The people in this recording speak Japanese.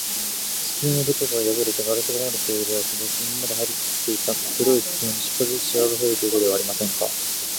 気球のどこかがやぶれて、ガスがもれているようすです。今まではりきっていた黒い気球に、少しずつしわがふえていくではありませんか。